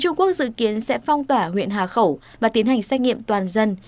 trung quốc dự kiến sẽ phong tỏa huyện hà khẩu và tiến hành xét nghiệm toàn dân